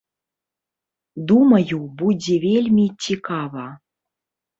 Думаю, будзе вельмі цікава.